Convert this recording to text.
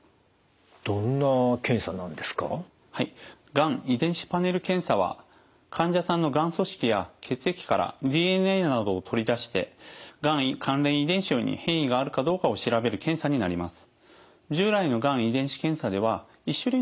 がん遺伝子パネル検査は患者さんのがん組織や血液からＤＮＡなどを取り出してがん関連遺伝子に変異があるかどうかを調べる検査になります。